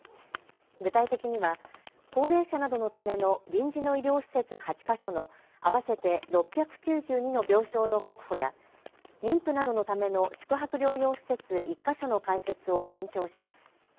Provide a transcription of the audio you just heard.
具体的には高齢者などのための臨時の医療施設８か所の合わせて６９２の病床の確保や妊婦などのための宿泊療養施設１か所の開設を延長します。